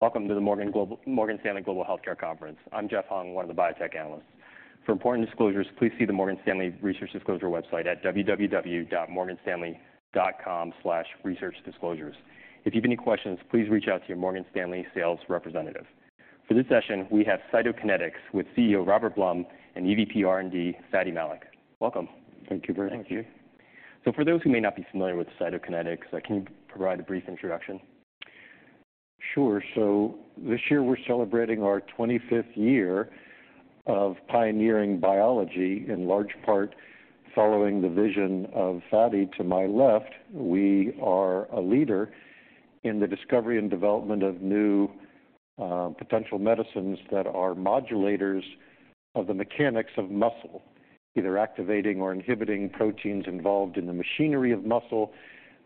Welcome to the Morgan Stanley Global Healthcare Conference. I'm Jeff Hung, one of the biotech analysts. For important disclosures, please see the Morgan Stanley Research Disclosure website at www.morganstanley.com/researchdisclosures. If you have any questions, please reach out to your Morgan Stanley sales representative. For this session, we have Cytokinetics with CEO Robert Blum and EVP, R&D, Fady Malik. Welcome. Thank you very much. Thank you. For those who may not be familiar with Cytokinetics, can you provide a brief introduction? Sure. So this year, we're celebrating our 25th year of pioneering biology, in large part following the vision of Fady to my left. We are a leader in the discovery and development of new, potential medicines that are modulators of the mechanics of muscle, either activating or inhibiting proteins involved in the machinery of muscle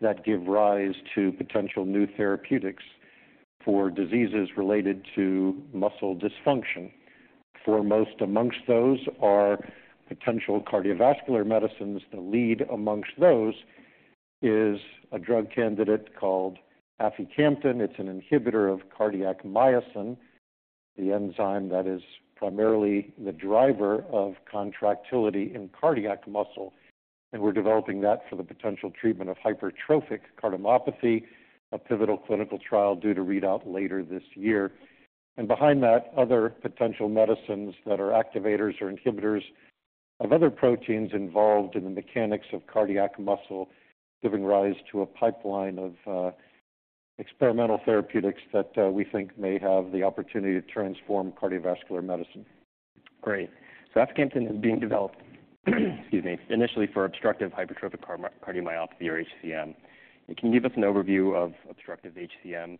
that give rise to potential new therapeutics for diseases related to muscle dysfunction. Foremost amongst those are potential cardiovascular medicines. The lead amongst those is a drug candidate called Aficamten. It's an inhibitor of cardiac myosin, the enzyme that is primarily the driver of contractility in cardiac muscle, and we're developing that for the potential treatment of hypertrophic cardiomyopathy, a pivotal clinical trial due to read out later this year. Behind that, other potential medicines that are activators or inhibitors of other proteins involved in the mechanics of cardiac muscle, giving rise to a pipeline of experimental therapeutics that we think may have the opportunity to transform cardiovascular medicine. Great. So Aficamten is being developed, excuse me, initially for obstructive hypertrophic cardiomyopathy or HCM. Can you give us an overview of obstructive HCM,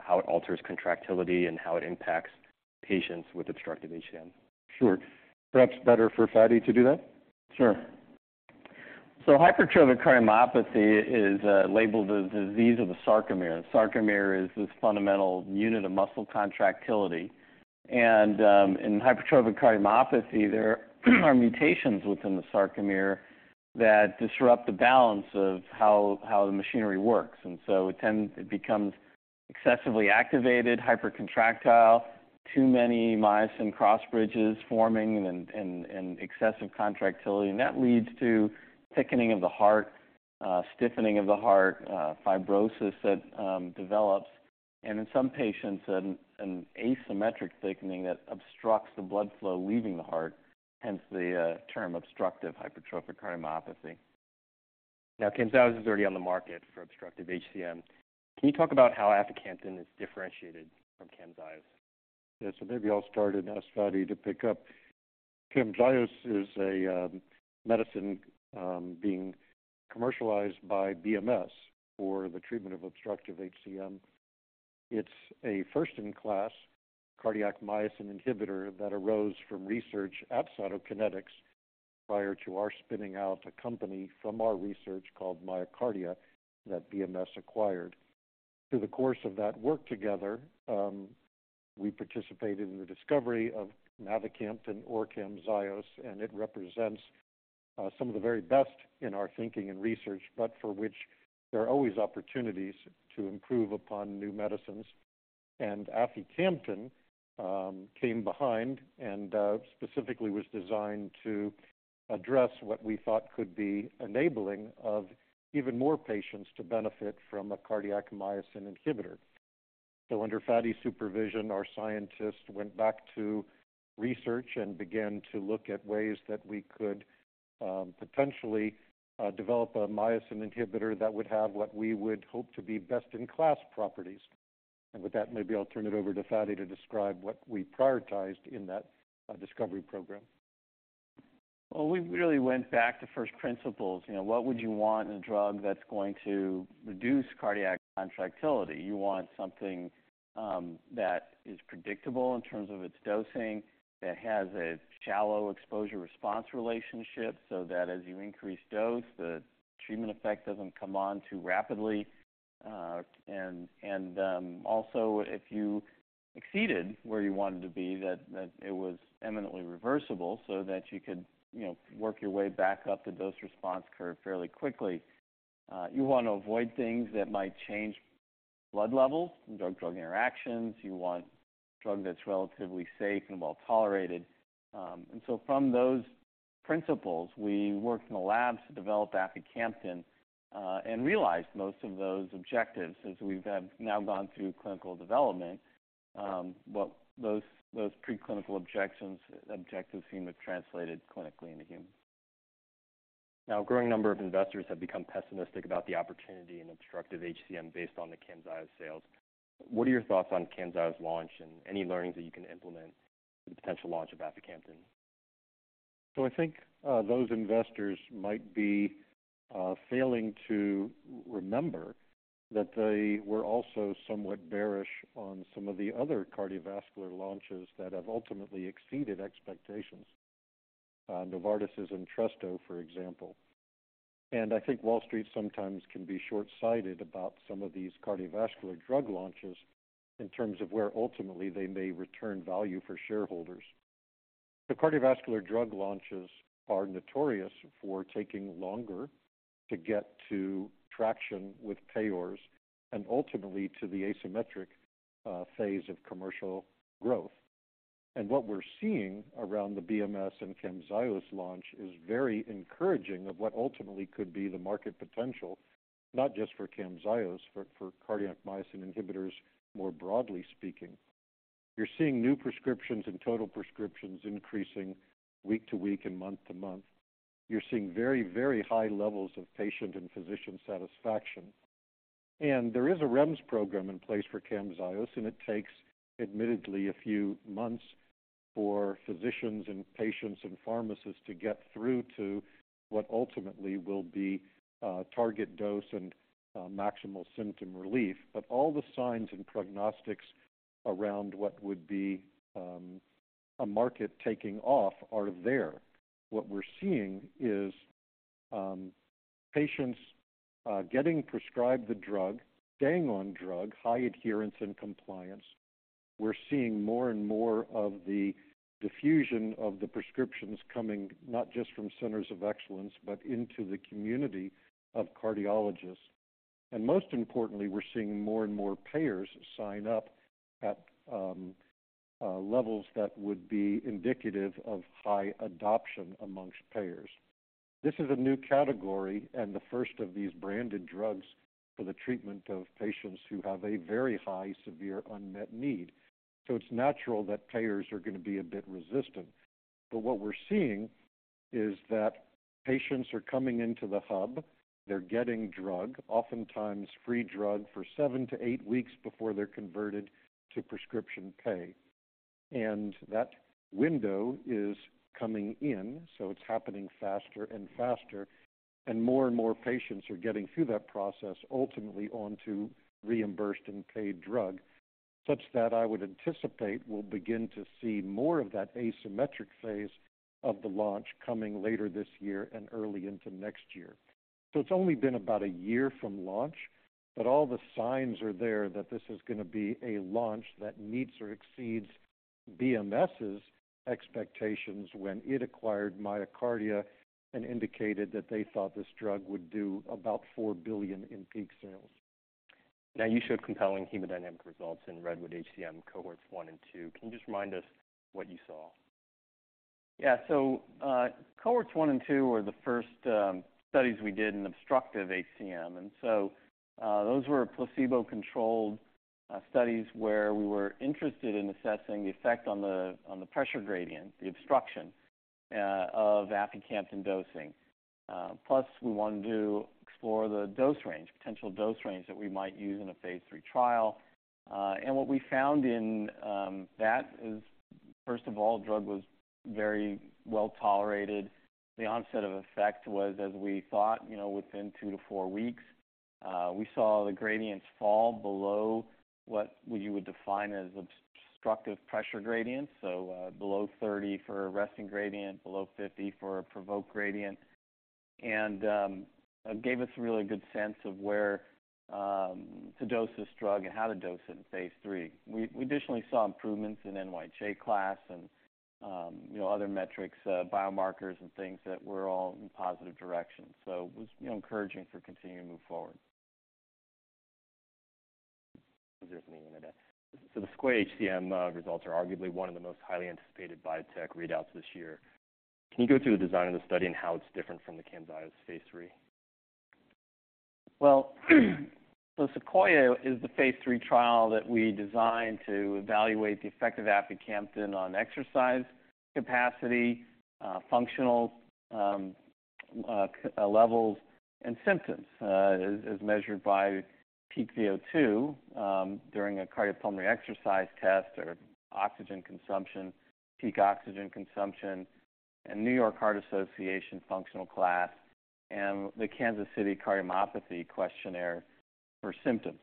how it alters contractility and how it impacts patients with obstructive HCM? Sure. Perhaps better for Fady to do that. Sure. So hypertrophic cardiomyopathy is labeled a disease of the sarcomere. Sarcomere is this fundamental unit of muscle contractility, and in hypertrophic cardiomyopathy, there are mutations within the sarcomere that disrupt the balance of how the machinery works, and so it tends. It becomes excessively activated, hypercontractile, too many myosin cross bridges forming and excessive contractility, and that leads to thickening of the heart, stiffening of the heart, fibrosis that develops, and in some patients, an asymmetric thickening that obstructs the blood flow leaving the heart, hence the term obstructive hypertrophic cardiomyopathy. Now, Camzyos is already on the market for obstructive HCM. Can you talk about how Aficamten is differentiated from Camzyos? Yeah, so maybe I'll start and ask Fady to pick up. Camzyos is a medicine being commercialized by BMS for the treatment of obstructive HCM. It's a first-in-class cardiac myosin inhibitor that arose from research at Cytokinetics prior to our spinning out a company from our research called MyoKardia, that BMS acquired. Through the course of that work together, we participated in the discovery of mavacamten or Camzyos, and it represents some of the very best in our thinking and research, but for which there are always opportunities to improve upon new medicines. And Aficamten came behind and specifically was designed to address what we thought could be enabling of even more patients to benefit from a cardiac myosin inhibitor. Under Fady's supervision, our scientists went back to research and began to look at ways that we could potentially develop a myosin inhibitor that would have what we would hope to be best-in-class properties. With that, maybe I'll turn it over to Fady to describe what we prioritized in that discovery program. Well, we really went back to first principles. You know, what would you want in a drug that's going to reduce cardiac contractility? You want something that is predictable in terms of its dosing, that has a shallow exposure-response relationship, so that as you increase dose, the treatment effect doesn't come on too rapidly. And also, if you exceeded where you wanted to be, it was eminently reversible so that you could, you know, work your way back up the dose-response curve fairly quickly. You want to avoid things that might change blood levels and drug-drug interactions. You want a drug that's relatively safe and well-tolerated. And so from those principles, we worked in the labs to develop Aficamten, and realized most of those objectives as we've now gone through clinical development. But those preclinical objectives seem to have translated clinically into humans. Now, a growing number of investors have become pessimistic about the opportunity in obstructive HCM based on the CAMZYOS sales. What are your thoughts on CAMZYOS launch and any learnings that you can implement for the potential launch of Aficamten? So I think, those investors might be, failing to remember that they were also somewhat bearish on some of the other cardiovascular launches that have ultimately exceeded expectations. Novartis' Entresto, for example. And I think Wall Street sometimes can be short-sighted about some of these cardiovascular drug launches in terms of where ultimately they may return value for shareholders... The cardiovascular drug launches are notorious for taking longer to get to traction with payers and ultimately to the asymmetric, phase of commercial growth. And what we're seeing around the BMS and Camzyos launch is very encouraging of what ultimately could be the market potential, not just for Camzyos, but for cardiac myosin inhibitors more broadly speaking. You're seeing new prescriptions and total prescriptions increasing week to week and month to month. You're seeing very, very high levels of patient and physician satisfaction. There is a REMS program in place for Camzyos, and it takes admittedly a few months for physicians and patients and pharmacists to get through to what ultimately will be target dose and maximal symptom relief. But all the signs and prognostics around what would be a market taking off are there. What we're seeing is patients getting prescribed the drug, staying on drug, high adherence and compliance. We're seeing more and more of the diffusion of the prescriptions coming, not just from centers of excellence, but into the community of cardiologists. And most importantly, we're seeing more and more payers sign up at levels that would be indicative of high adoption amongst payers. This is a new category and the first of these branded drugs for the treatment of patients who have a very high, severe unmet need. So it's natural that payers are going to be a bit resistant. But what we're seeing is that patients are coming into the hub, they're getting drug, oftentimes free drug, for seven to eight weeks before they're converted to prescription pay. And that window is coming in, so it's happening faster and faster, and more and more patients are getting through that process, ultimately onto reimbursed and paid drug, such that I would anticipate we'll begin to see more of that asymmetric phase of the launch coming later this year and early into next year. So it's only been about a year from launch, but all the signs are there that this is going to be a launch that meets or exceeds BMS's expectations when it acquired MyoKardia and indicated that they thought this drug would do about $4 billion in peak sales. Now, you showed compelling hemodynamic results in REDWOOD-HCM, cohorts one and two. Can you just remind us what you saw? Yeah. So, cohorts one and two were the first studies we did in obstructive HCM, and so, those were placebo-controlled studies where we were interested in assessing the effect on the pressure gradient, the obstruction, of Aficamten dosing. Plus, we wanted to EXPLORER the dose range, potential dose range that we might use in a phase III trial. And what we found in that is, first of all, the drug was very well tolerated. The onset of effect was as we thought, you know, within two to four weeks. We saw the gradients fall below what you would define as obstructive pressure gradient, so, below 30 for a resting gradient, below 50 for a provoked gradient. It gave us a really good sense of where to dose this drug and how to dose it in phase III. We additionally saw improvements in NYHA class and, you know, other metrics, biomarkers and things that were all in positive directions. It was, you know, encouraging for continuing to move forward. There's more in a minute. So the SEQUOIA-HCM results are arguably one of the most highly anticipated biotech readouts this year. Can you go through the design of the study and how it's different from the CAMZYOS phase III? Well, so Sequoia is the phase III trial that we designed to evaluate the effect of Aficamten on exercise capacity, functional levels and symptoms, as measured by peak VO2 during a cardiopulmonary exercise test or oxygen consumption, peak oxygen consumption, and New York Heart Association functional class, and the Kansas City Cardiomyopathy Questionnaire for symptoms.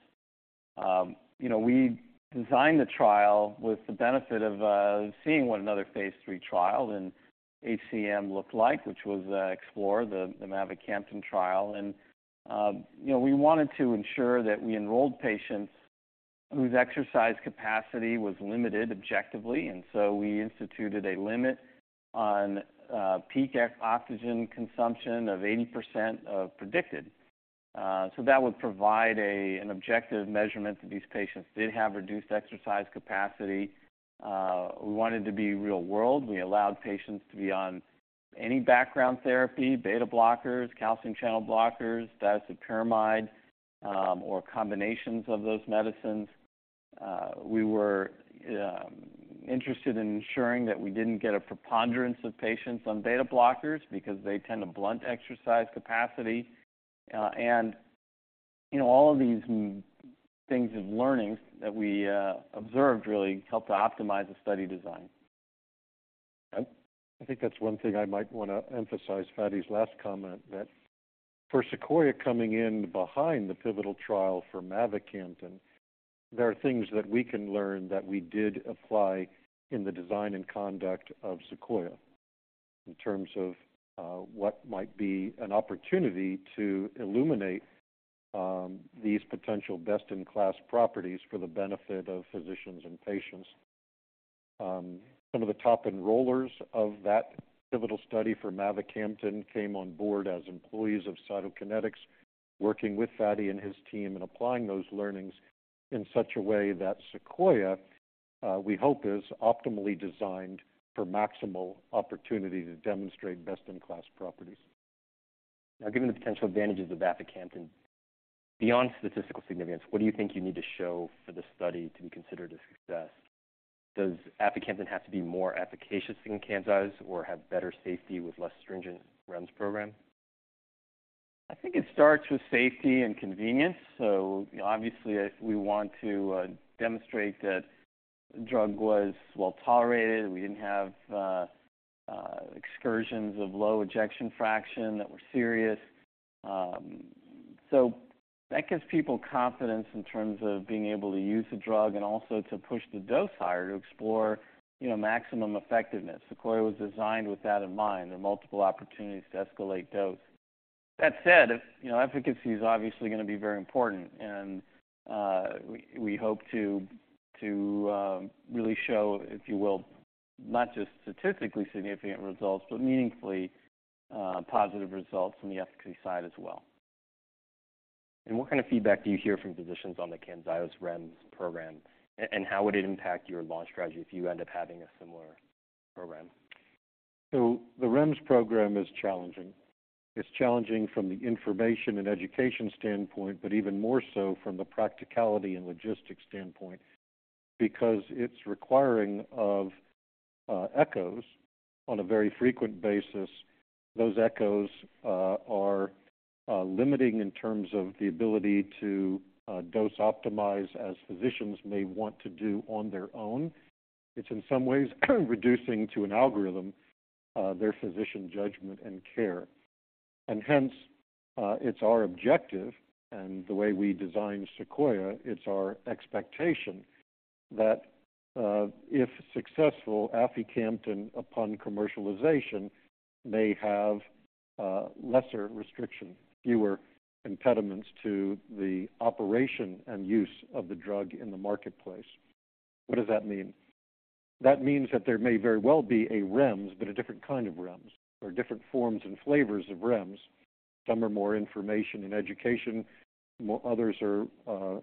You know, we designed the trial with the benefit of seeing what another phase III trial in HCM looked like, which was Explore, the mavacamten trial. You know, we wanted to ensure that we enrolled patients whose exercise capacity was limited objectively, and so we instituted a limit on peak oxygen consumption of 80% of predicted. So that would provide an objective measurement that these patients did have reduced exercise capacity. We wanted to be real-world. We allowed patients to be on any background therapy, beta blockers, calcium channel blockers, digoxin, disopyramide, or combinations of those medicines. We were interested in ensuring that we didn't get a preponderance of patients on beta blockers because they tend to blunt exercise capacity. And, you know, all of these things and learnings that we observed really helped to optimize the study design. I think that's one thing I might want to emphasize, Fady's last comment, that for SEQUOIA coming in behind the pivotal trial for mavacamten, there are things that we can learn that we did apply in the design and conduct of SEQUOIA, in terms of what might be an opportunity to illuminate these potential best-in-class properties for the benefit of physicians and patients. Some of the top enrollers of that pivotal study for mavacamten came on board as employees of Cytokinetics, working with Fady and his team and applying those learnings in such a way that SEQUOIA, we hope, is optimally designed for maximal opportunity to demonstrate best-in-class properties. Now, given the potential advantages of Aficamten beyond statistical significance, what do you think you need to show for this study to be considered a success? Does Aficamten have to be more efficacious than Camzyos or have better safety with less stringent REMS program? I think it starts with safety and convenience. So obviously, we want to demonstrate that the drug was well tolerated, we didn't have excursions of low ejection fraction that were serious. So that gives people confidence in terms of being able to use the drug and also to push the dose higher to explore, you know, maximum effectiveness. SEQUOIA was designed with that in mind. There are multiple opportunities to escalate dose. That said, you know, efficacy is obviously going to be very important, and we hope to really show, if you will, not just statistically significant results, but meaningfully positive results on the efficacy side as well. What kind of feedback do you hear from physicians on the Camzyos REMS program, and how would it impact your launch strategy if you end up having a similar program? So the REMS program is challenging. It's challenging from the information and education standpoint, but even more so from the practicality and logistics standpoint, because it's requiring of echoes on a very frequent basis. Those echoes are limiting in terms of the ability to dose optimize, as physicians may want to do on their own. It's in some ways reducing to an algorithm their physician judgment and care. And hence, it's our objective and the way we designed SEQUOIA, it's our expectation that, if successful, Aficamten, upon commercialization, may have lesser restriction, fewer impediments to the operation and use of the drug in the marketplace. What does that mean? That means that there may very well be a REMS, but a different kind of REMS, or different forms and flavors of REMS. Some are more information and education, while others are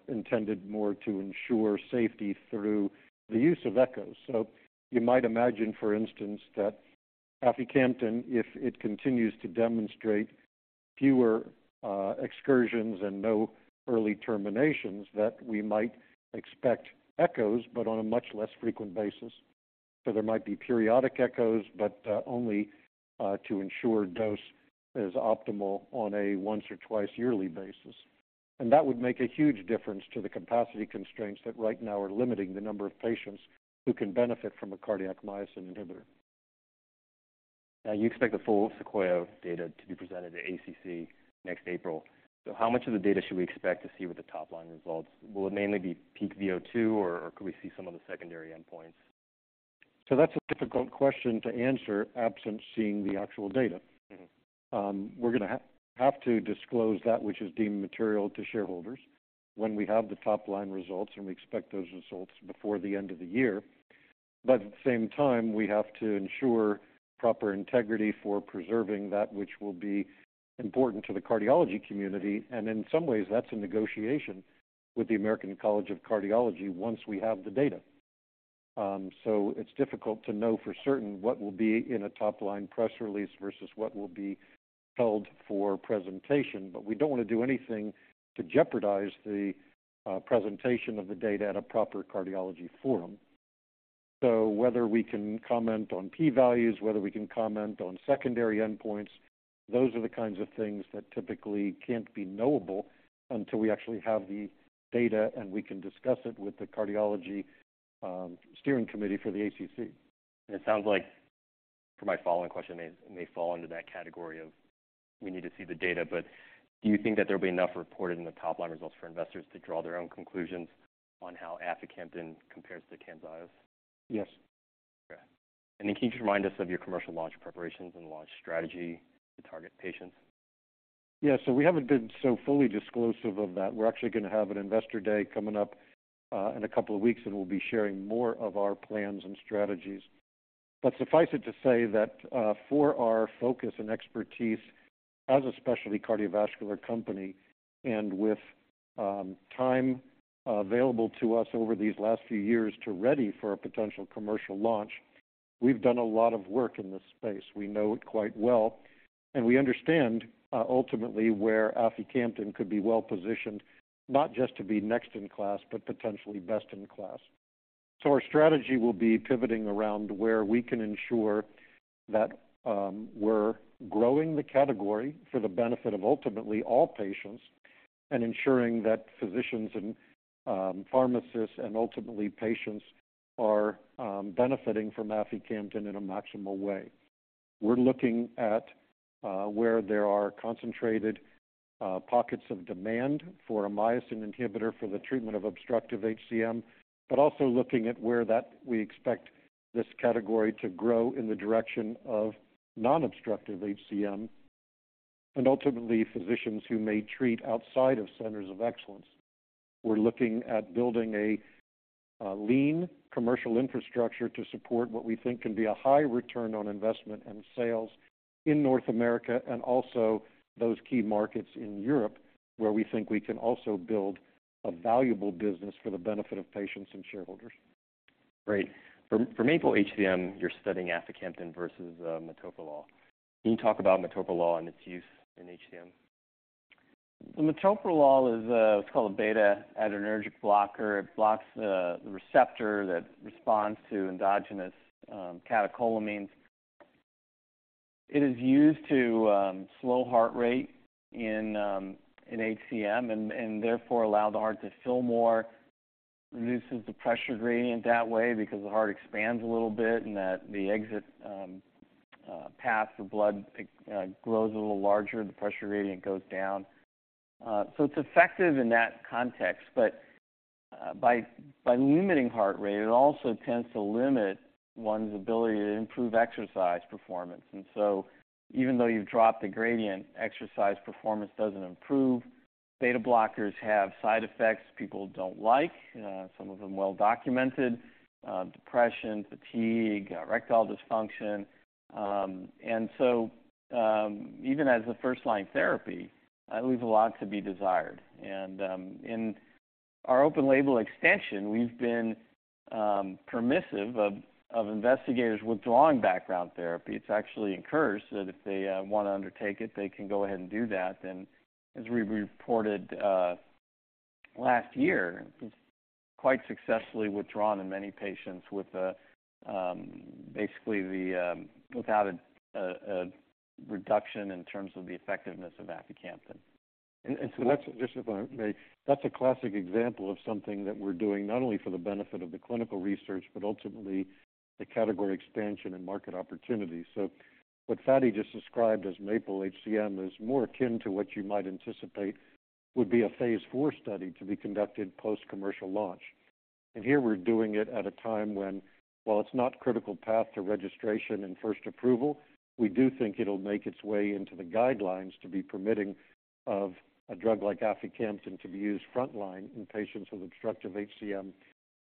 intended more to ensure safety through the use of echoes. So you might imagine, for instance, that Aficamten, if it continues to demonstrate fewer excursions and no early terminations, that we might expect echoes, but on a much less frequent basis. So there might be periodic echoes, but only to ensure dose is optimal on a once or twice yearly basis. And that would make a huge difference to the capacity constraints that right now are limiting the number of patients who can benefit from a cardiac myosin inhibitor. Now, you expect the full SEQUOIA data to be presented to ACC next April. So how much of the data should we expect to see with the top-line results? Will it mainly be peak VO2, or could we see some of the secondary endpoints? That's a difficult question to answer, absent seeing the actual data. Mm-hmm. We're gonna have to disclose that which is deemed material to shareholders when we have the top-line results, and we expect those results before the end of the year. But at the same time, we have to ensure proper integrity for preserving that which will be important to the cardiology community, and in some ways, that's a negotiation with the American College of Cardiology once we have the data. So it's difficult to know for certain what will be in a top-line press release versus what will be held for presentation. But we don't want to do anything to jeopardize the presentation of the data at a proper cardiology forum. Whether we can comment on p-values, whether we can comment on secondary endpoints, those are the kinds of things that typically can't be knowable until we actually have the data and we can discuss it with the Cardiology Steering Committee for the ACC. It sounds like my follow-up question may fall into that category of "we need to see the data," but do you think that there will be enough reported in the top-line results for investors to draw their own conclusions on how Aficamten compares to Camzyos? Yes. Okay. And then, can you just remind us of your commercial launch preparations and launch strategy to target patients? Yeah. So we haven't been so fully disclosive of that. We're actually going to have an Investor Day coming up in a couple of weeks, and we'll be sharing more of our plans and strategies. But suffice it to say that, for our focus and expertise as a specialty cardiovascular company, and with time available to us over these last few years to ready for a potential commercial launch, we've done a lot of work in this space. We know it quite well, and we understand ultimately, where Aficamten could be well positioned, not just to be next in class, but potentially best in class. So our strategy will be pivoting around where we can ensure that we're growing the category for the benefit of ultimately all patients and ensuring that physicians and pharmacists, and ultimately patients are benefiting from Aficamten in a maximal way. We're looking at where there are concentrated pockets of demand for a myosin inhibitor for the treatment of obstructive HCM, but also looking at where that we expect this category to grow in the direction of non-obstructive HCM and ultimately physicians who may treat outside of centers of excellence. We're looking at building a lean commercial infrastructure to support what we think can be a high return on investment and sales in North America, and also those key markets in Europe, where we think we can also build a valuable business for the benefit of patients and shareholders. Great. For MAPLE-HCM, you're studying Aficamten versus metoprolol. Can you talk about metoprolol and its use in HCM? The metoprolol is what's called a beta-adrenergic blocker. It blocks the receptor that responds to endogenous catecholamines. It is used to slow heart rate in HCM and therefore allow the heart to fill more, reduces the pressure gradient that way because the heart expands a little bit and the exit path of blood grows a little larger, the pressure gradient goes down. So it's effective in that context, but by limiting heart rate, it also tends to limit one's ability to improve exercise performance. And so even though you've dropped the gradient, exercise performance doesn't improve. Beta blockers have side effects people don't like, some of them well documented: depression, fatigue, erectile dysfunction. And so even as a first-line therapy, it leaves a lot to be desired. In our open label extension, we've been permissive of investigators withdrawing background therapy. It's actually encouraged that if they want to undertake it, they can go ahead and do that. As we reported last year, it was quite successfully withdrawn in many patients with basically without a reduction in terms of the effectiveness of Aficamten. That's just a classic example of something that we're doing not only for the benefit of the clinical research, but ultimately the category expansion and market opportunity. So what Fady just described as MAPLE-HCM is more akin to what you might anticipate would be a phase IV study to be conducted post-commercial launch. And here we're doing it at a time when, while it's not critical path to registration and first approval, we do think it'll make its way into the guidelines to be permitting of a drug like Aficamten to be used frontline in patients with obstructive HCM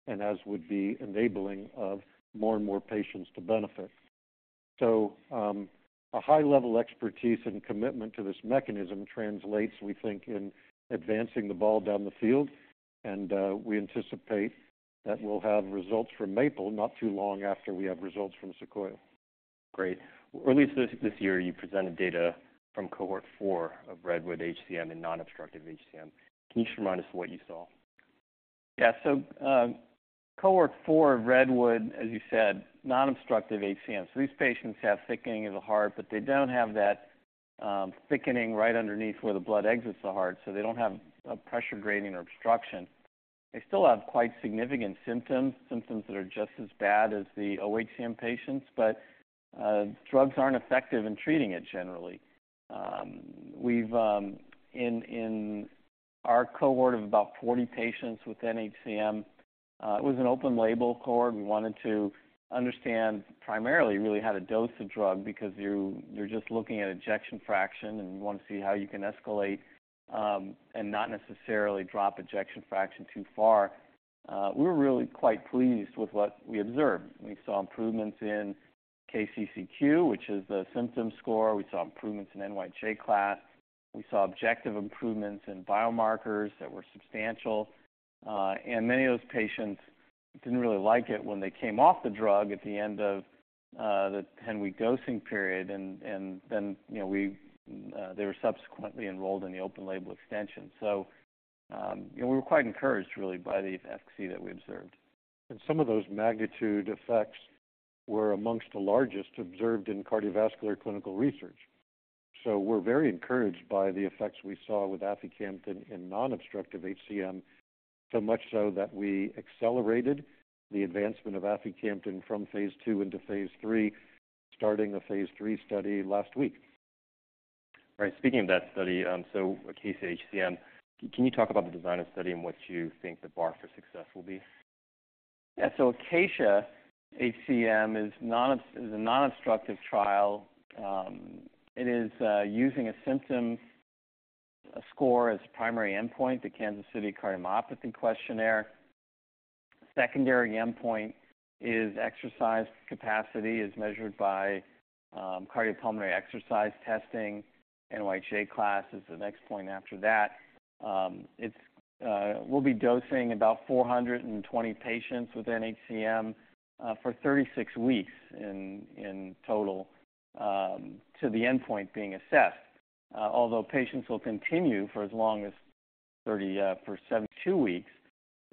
and as would be enabling of more and more patients to benefit. So, a high level expertise and commitment to this mechanism translates, we think, in advancing the ball down the field, and we anticipate that we'll have results from MAPLE not too long after we have results from SEQUOIA. Great. Earlier this year, you presented data from cohort four of REDWOOD-HCM in non-obstructive HCM. Can you just remind us what you saw? Yeah. So, cohort four of REDWOOD, as you said, non-obstructive HCM. So these patients have thickening of the heart, but they don't have that, thickening right underneath where the blood exits the heart, so they don't have a pressure gradient or obstruction. They still have quite significant symptoms, symptoms that are just as bad as the OHCM patients, but, drugs aren't effective in treating it generally. We've, in our cohort of about 40 patients with NHCM, it was an open label cohort. We wanted to understand primarily, really how to dose the drug, because you're just looking at ejection fraction, and you want to see how you can escalate, and not necessarily drop ejection fraction too far. We were really quite pleased with what we observed. We saw improvements in KCCQ, which is a symptom score. We saw improvements in NYHA class. We saw objective improvements in biomarkers that were substantial. And many of those patients didn't really like it when they came off the drug at the end of the 10-week dosing period, and then, you know, they were subsequently enrolled in the open label extension. So, we were quite encouraged, really, by the efficacy that we observed. Some of those magnitude effects were among the largest observed in cardiovascular clinical research. We're very encouraged by the effects we saw with Aficamten in non-obstructive HCM, so much so that we accelerated the advancement of Aficamten from phase II into phase III, starting a phase III study last week. Right. Speaking of that study, so ACACIA-HCM, can you talk about the design of study and what you think the bar for success will be? Yeah. So ACACIA-HCM is a non-obstructive trial. It is using a symptom score as a primary endpoint, the Kansas City Cardiomyopathy Questionnaire. Secondary endpoint is exercise capacity, measured by cardiopulmonary exercise testing. NYHA class is the next point after that. We'll be dosing about 420 patients with NHCM for 36 weeks in total to the endpoint being assessed. Although patients will continue for as long as 72 weeks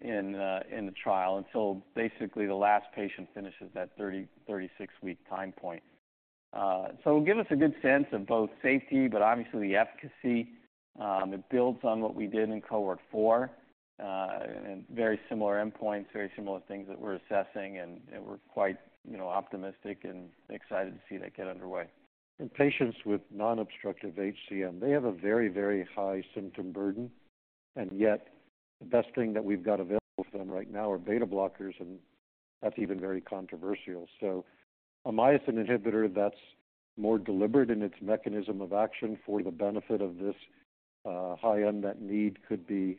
in the trial, until basically the last patient finishes that 36-week time point. So it'll give us a good sense of both safety, but obviously efficacy. It builds on what we did in cohort four, and very similar endpoints, very similar things that we're assessing, and we're quite, you know, optimistic and excited to see that get underway. In patients with non-obstructive HCM, they have a very, very high symptom burden... and yet, the best thing that we've got available for them right now are beta blockers, and that's even very controversial. So a myosin inhibitor that's more deliberate in its mechanism of action for the benefit of this, high unmet need could be,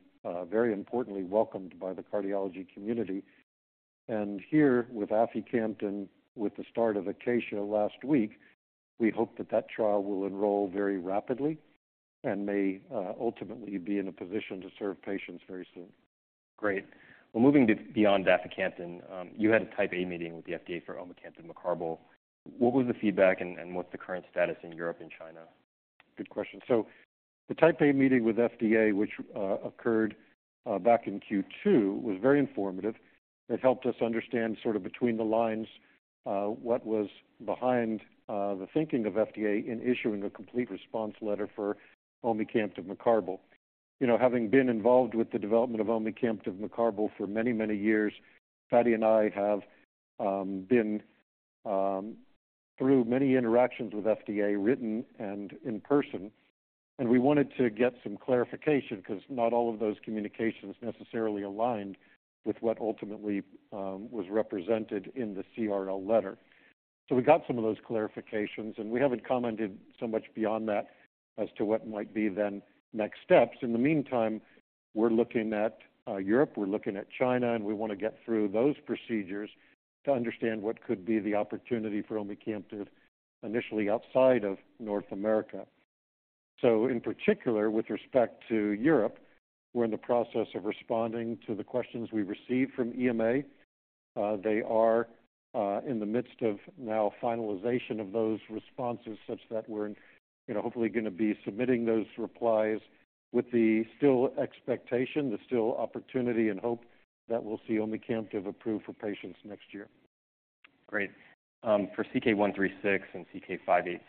very importantly welcomed by the cardiology community. And here with Aficamten, with the start of ACACIA last week, we hope that that trial will enroll very rapidly and may, ultimately be in a position to serve patients very soon. Great. Well, moving beyond Aficamten, you had a Type A meeting with the FDA for omecamtiv mecarbil. What was the feedback, and what's the current status in Europe and China? Good question. So the Type A meeting with FDA, which occurred back in Q2, was very informative. It helped us understand sort of between the lines what was behind the thinking of FDA in issuing a complete response letter for omecamtiv mecarbil. You know, having been involved with the development of omecamtiv mecarbil for many, many years, Fady and I have been through many interactions with FDA, written and in person, and we wanted to get some clarification because not all of those communications necessarily aligned with what ultimately was represented in the CRL letter. So we got some of those clarifications, and we haven't commented so much beyond that as to what might be then next steps. In the meantime, we're looking at Europe, we're looking at China, and we want to get through those procedures to understand what could be the opportunity for omecamtiv initially outside of North America. So in particular, with respect to Europe, we're in the process of responding to the questions we received from EMA. They are in the midst of now finalization of those responses, such that we're, you know, hopefully gonna be submitting those replies with the still expectation, the still opportunity and hope that we'll see omecamtiv approved for patients next year. Great. For CK-136 and CK-586,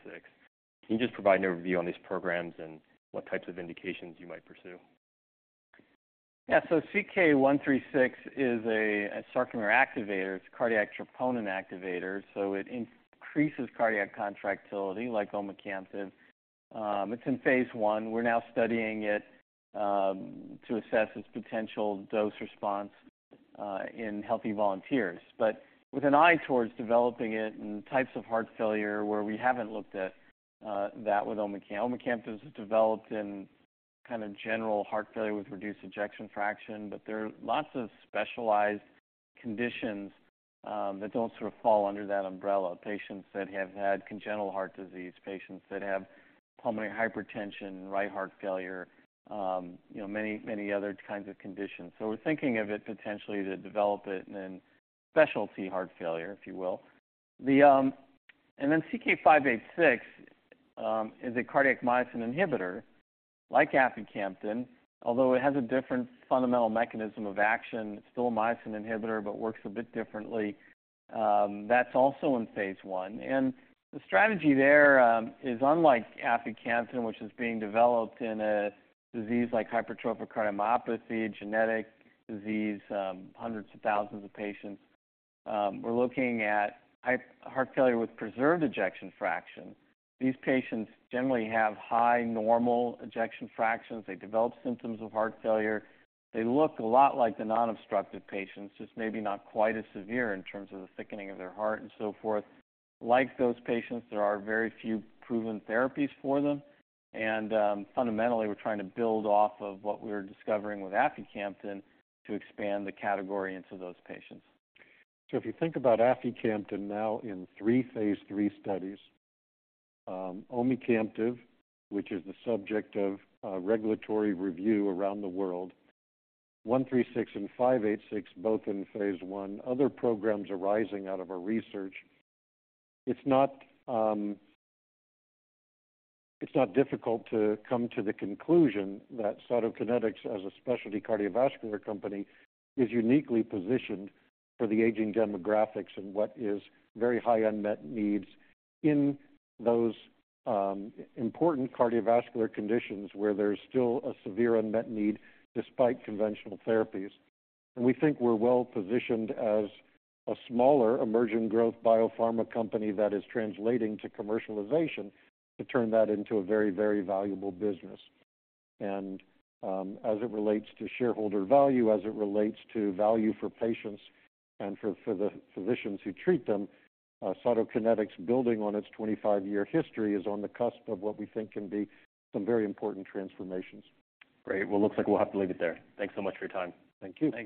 can you just provide an overview on these programs and what types of indications you might pursue? Yeah. So CK-136 is a sarcomere activator. It's a cardiac troponin activator, so it increases cardiac contractility like omecamtiv. It's in phase I. We're now studying it to assess its potential dose response in healthy volunteers, but with an eye towards developing it in types of heart failure where we haven't looked at that with omecamtiv. Omecamtiv was developed in kind of general heart failure with reduced ejection fraction, but there are lots of specialized conditions that don't sort of fall under that umbrella. Patients that have had congenital heart disease, patients that have pulmonary hypertension, right heart failure, you know, many, many other kinds of conditions. So we're thinking of it potentially to develop it in specialty heart failure, if you will. The, Then CK-586 is a cardiac myosin inhibitor like Aficamten, although it has a different fundamental mechanism of action. It's still a myosin inhibitor but works a bit differently. That's also in phase I, and the strategy there is unlike Aficamten, which is being developed in a disease like hypertrophic cardiomyopathy, genetic disease, hundreds of thousands of patients, we're looking at HFpEF. These patients generally have high normal ejection fractions. They develop symptoms of heart failure. They look a lot like the non-obstructive patients, just maybe not quite as severe in terms of the thickening of their heart and so forth. Like those patients, there are very few proven therapies for them, and fundamentally, we're trying to build off of what we're discovering with Aficamten to expand the category into those patients. So if you think about Aficamten now in three phase III studies, omecamtiv, which is the subject of a regulatory review around the world, CK-136 and CK-586, both in phase I, other programs arising out of our research, it's not, it's not difficult to come to the conclusion that Cytokinetics, as a specialty cardiovascular company, is uniquely positioned for the aging demographics and what is very high unmet needs in those, important cardiovascular conditions where there's still a severe unmet need despite conventional therapies. And we think we're well-positioned as a smaller, emerging growth biopharma company that is translating to commercialization, to turn that into a very, very valuable business. As it relates to shareholder value, as it relates to value for patients and for the physicians who treat them, Cytokinetics, building on its 25-year history, is on the cusp of what we think can be some very important transformations. Great! Well, looks like we'll have to leave it there. Thanks so much for your time. Thank you. Thanks.